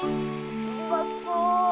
うまそう！」。